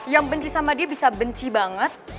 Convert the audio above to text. yang benci sama dia bisa benci banget